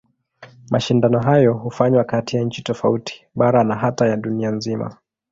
Mashindano hayo hufanywa kati ya nchi tofauti, bara na hata ya dunia nzima.